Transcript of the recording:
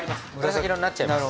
紫色になっちゃいます。